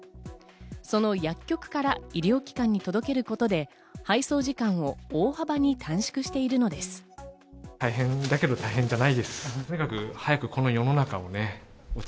その薬局から医療機関に届けることで配送時間を大幅に短縮しているのです。